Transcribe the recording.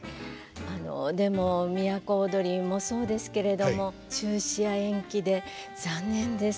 でも「都をどり」もそうですけれども中止や延期で残念です。